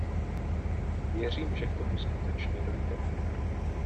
Věřím, že k tomu skutečně dojde.